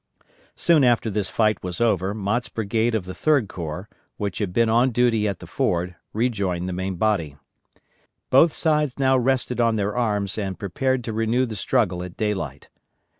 Soon after this fight was over Mott's brigade of the Third Corps, which had been on duty at the Ford, rejoined the main body. Both sides now rested on their arms and prepared to renew the struggle at daylight.